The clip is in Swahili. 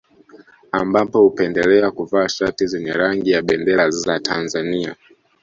Ambapo hupendelea kuvaa shati zenye rangi ya bendera za Tanzania